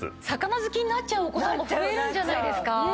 魚好きになっちゃうお子さんも増えるんじゃないですか？